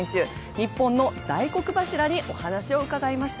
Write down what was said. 日本の大黒柱にお話を伺いました。